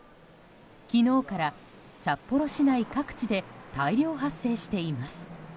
昨日から、札幌市内各地で大量発生しています。